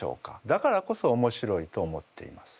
だからこそおもしろいと思っています。